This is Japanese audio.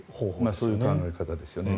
そういう考え方ですよね。